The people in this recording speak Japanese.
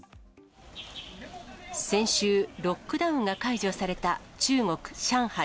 先週、ロックダウンが解除された中国・上海。